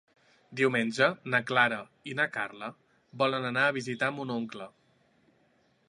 Diumenge na Clara i na Carla volen anar a visitar mon oncle.